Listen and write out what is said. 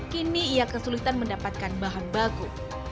kini ia kesulitan mendapatkan bahan baku